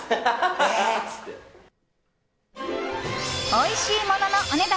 おいしいもののお値段